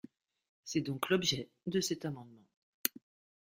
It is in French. C’est donc l’objet de cet amendement.